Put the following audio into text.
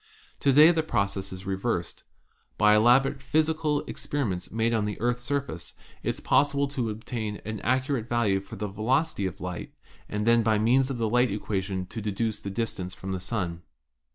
To day the process is reversed. By elaborate physical experiments made on the Earth's sur face it is possible to obtain an accurate value for the velocity of light and then by means of the light equation to deduce the distance from the Sun.